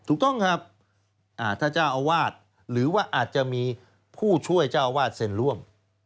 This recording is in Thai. ถูกต้องครับถ้าเจ้าอาวาสหรือว่าอาจจะมีผู้ช่วยเจ้าอาวาสเซ็นร่วม